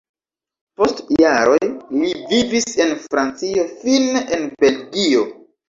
Post jaroj li vivis en Francio, fine en Belgio.